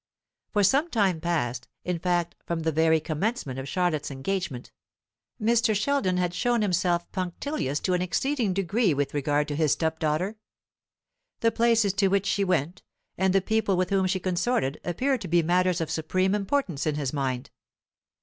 For some time past, in fact from the very commencement of Charlotte's engagement, Mr. Sheldon had shown himself punctilious to an exceeding degree with regard to his stepdaughter. The places to which she went, and the people with whom she consorted, appeared to be matters of supreme importance in his mind.